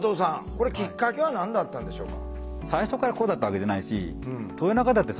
これきっかけは何だったんでしょうか？